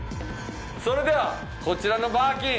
それではこちらのバーキン。